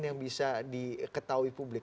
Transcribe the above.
yang bisa diketahui publik